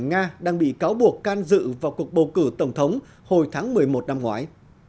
nga đang bị cáo buộc can dự vào cuộc bầu cử tổng thống hồi tháng một mươi một năm ngoái